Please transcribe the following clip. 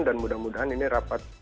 dan mudah mudahan ini rapat